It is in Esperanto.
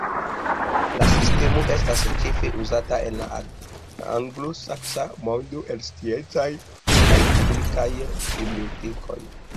La sistemo estas ĉefe uzata en la anglosaksa mondo en sciencaj kaj publikaj bibliotekoj.